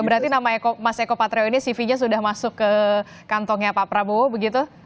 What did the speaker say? berarti nama mas eko patrio ini cv nya sudah masuk ke kantongnya pak prabowo begitu